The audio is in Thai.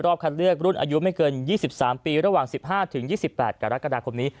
คัดเลือกรุ่นอายุไม่เกิน๒๓ปีระหว่าง๑๕๒๘กรกฎาคมนี้